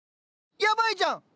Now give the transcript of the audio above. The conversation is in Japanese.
やばいじゃん！